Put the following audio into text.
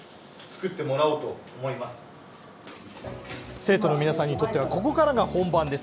生徒の皆さんにとってはここからが本番です。